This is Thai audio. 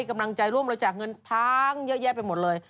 กำลังใจร่วมบริจาคเงินพังเยอะแยะไปหมดเลย